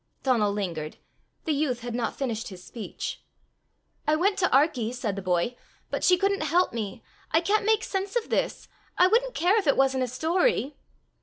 Donal lingered: the youth had not finish his speech! "I went to Arkie," said the boy, "but she couldn't help me. I can't make sense of this! I wouldn't care if it wasn't a story."